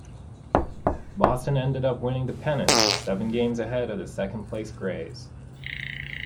Boston ended up winning the pennant, seven games ahead of the second-place Grays.